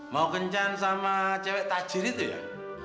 mau kencan sama cewek tajir itu ya